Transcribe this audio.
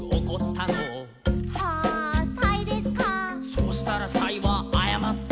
「そしたらサイはあやまった」